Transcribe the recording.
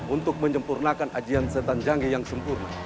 untuk menyempurnakan ajian setan janggih yang sempurna